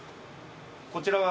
こちらは。